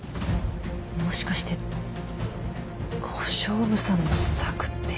もしかして小勝負さんの策って。